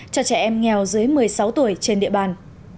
cho trẻ em nghèo dưới một mươi sáu tuổi trên địa bàn